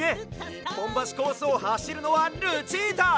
１ぽんばしコースをはしるのはルチータ！